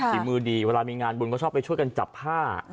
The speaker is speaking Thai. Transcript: ฝีมือดีเวลามีงานบุญก็ชอบไปช่วยกันจับผ้า